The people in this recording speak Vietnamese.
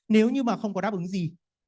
nếu như mà không có đáp ứng gì